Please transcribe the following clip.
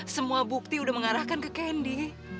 semua bukti udah mengarahkan ke candy